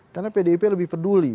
karena pdip lebih peduli